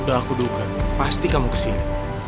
udah aku duga pasti kamu kesini